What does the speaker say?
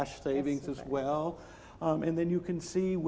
dan kemudian anda bisa melihat dengan pnm